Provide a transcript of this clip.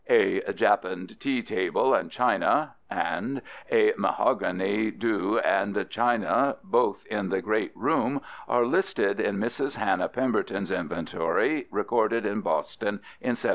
A "Japan'd tea Table & China" and "a Mahog[any] Do. & China," both in the "Great Room," are listed in Mrs. Hannah Pemberton's inventory recorded in Boston in 1758.